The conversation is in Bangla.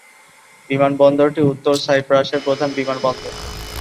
বিমান বন্দরটি উত্তর সাইপ্রাসের প্রধান বিমানবন্দর।